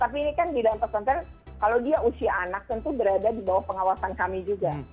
tapi ini kan di dalam pesantren kalau dia usia anak tentu berada di bawah pengawasan kami juga